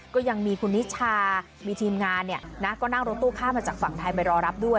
ก็ยังมีคุณนิชามีทีมงานก็นั่งรถตู้ข้ามมาจากฝั่งไทยไปรอรับด้วย